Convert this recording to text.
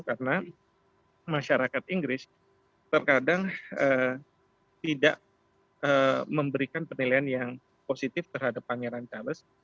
karena masyarakat inggris terkadang tidak memberikan penilaian yang positif terhadap pangeran charles